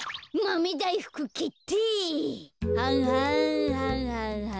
はんはんはんはんはん。